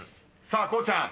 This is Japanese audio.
［さあこうちゃん